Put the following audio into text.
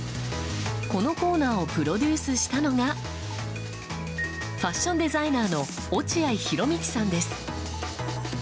このコーナーをプロデュースしたのがファッションデザイナーの落合宏理さんです。